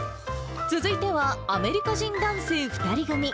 続いては、アメリカ人男性２人組。